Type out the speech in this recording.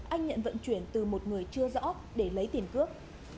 anh nhận vận chuyển từ một người chưa rõ để lấy tiền cước